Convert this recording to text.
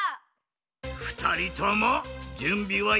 ふたりともじゅんびはよいかドン？